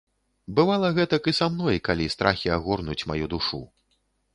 Бывала гэтак і са мной, калі страхі агорнуць маю душу.